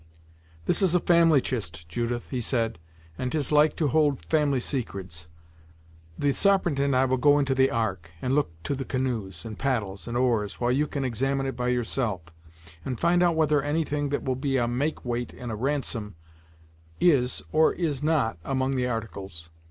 "This is a family chist, Judith," he said, "and 'tis like to hold family secrets. The Sarpent and I will go into the Ark, and look to the canoes, and paddles, and oars, while you can examine it by yourself, and find out whether any thing that will be a make weight in a ransom is, or is not, among the articles.